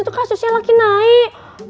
itu kasusnya lagi naik